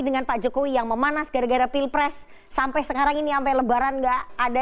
dengan pak jokowi yang memanas gara gara pilpres sampai sekarang ini sampai lebaran enggak ada